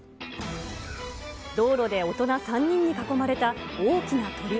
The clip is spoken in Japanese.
道路で大人３人に囲まれた大きな鳥。